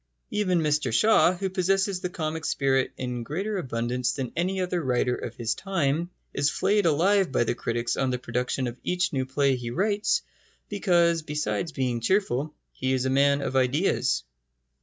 Even Mr Shaw, who possesses the comic spirit in greater abundance than any other writer of his time, is flayed alive by the critics on the production of each new play he writes, because, besides being cheerful, he is a man of ideas.